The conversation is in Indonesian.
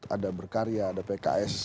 ada berkarya ada pks